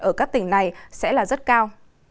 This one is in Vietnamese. ở các tỉnh này sẽ là rất cao